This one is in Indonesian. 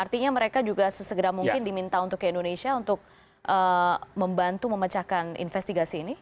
artinya mereka juga sesegera mungkin diminta untuk ke indonesia untuk membantu memecahkan investigasi ini